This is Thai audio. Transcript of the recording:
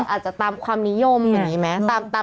อาจจะตามความนิยมอย่างนี้ไหม